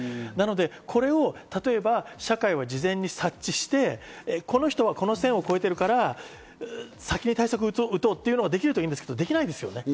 これを例えば、社会が事前に察知して、この人がこの線を越えてるから、先に対策を打とうというのができればいいんですけど、できない。